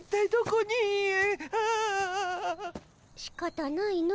しかたないの。